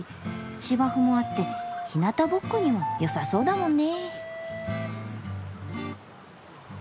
芝生もあってひなたぼっこにはよさそうだもんね。